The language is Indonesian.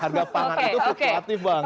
harga pangan itu fluktuatif bang